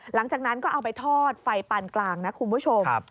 หลังจากนั้นก็เอาไปทอดไฟปานกลางนะคุณผู้ชม